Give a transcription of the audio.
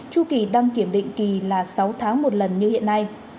tru kỳ đăng kiểm định kỳ là sáu tháng một lần như hiện nay